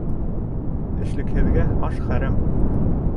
Эшлекһеҙгә аш хәрәм.